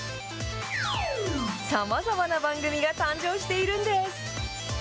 さまざまな番組が誕生しているんです。